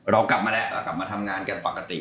เรากลับมาแล้วเรากลับมาทำงานกันปกติ